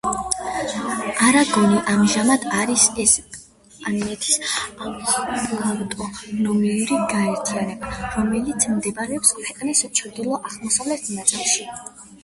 არაგონი ამჟამად არის ესპანეთის ავტონომიური გაერთიანება, რომელიც მდებარეობს ქვეყნის ჩრდილო-აღმოსავლეთ ნაწილში.